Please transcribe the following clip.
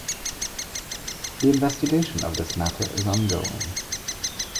The investigation of this matter is ongoing.